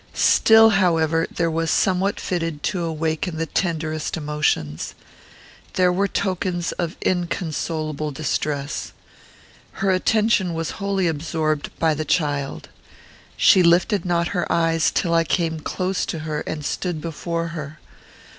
Still, however, there was somewhat fitted to awaken the tenderest emotions. There were tokens of inconsolable distress. Her attention was wholly absorbed by the child. She lifted not her eyes till I came close to her and stood before her.